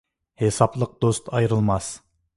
ھېسابلىق دوست ئايرىلماس.